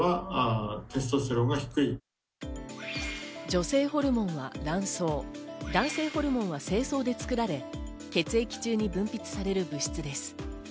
女性ホルモンは卵巣、男性ホルモンは精巣で作られ、血液中に分泌される物質です。